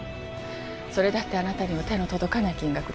それだってあなたには手の届かない金額でしょ？